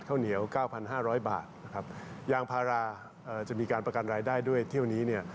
ข้าวเหนียว๙๕๐๐บาทยางพาราจะมีการประกันรายได้ด้วยเที่ยวนี้